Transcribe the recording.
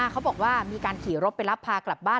เขาบอกว่ามีการขี่รถไปรับพากลับบ้าน